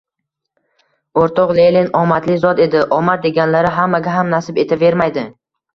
O’rtoq Lenin omadli zot edi. Omad deganlari hammaga ham nasib etavermaydi.